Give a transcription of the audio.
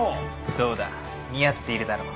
どうだ似合っているだろう。